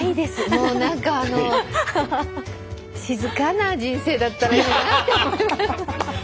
もう何かあの静かな人生だったらいいなって思います。